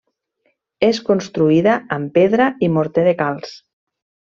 És construïda amb pedra i morter de calç.